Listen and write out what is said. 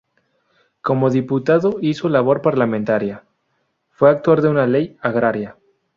Como diputado hizo labor parlamentaria: fue actor de una Ley agraria.